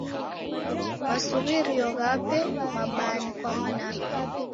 Masuw'irio ghape mabaa ni kwa mwanape.